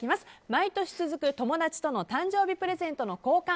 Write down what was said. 毎年続く友達との誕生日プレゼントの交換